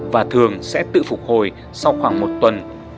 và thường sẽ tự phục hồi sau khoảng một tuần